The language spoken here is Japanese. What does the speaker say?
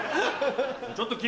ちょっと君！